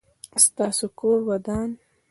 ستاسو کور ودان؟